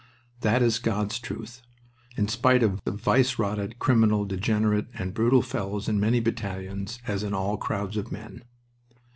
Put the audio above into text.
That is God's truth, in spite of vice rotted, criminal, degenerate, and brutal fellows in many battalions, as in all crowds of men.